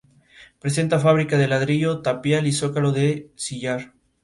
Destacan las ruinas de Pomona y el excelente museo de sito.